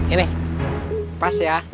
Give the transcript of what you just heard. ini pas ya